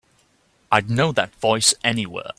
I'd know that voice anywhere.